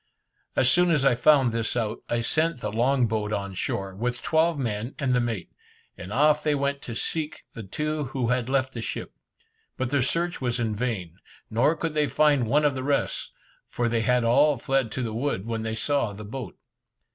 As soon as I found this out, I sent the long boat on shore, with twelve men and the mate, and off they went to seek the two who had left the ship. But their search was in vain, nor could they find one of the rest, for they had all fled to the woods when they saw the boat.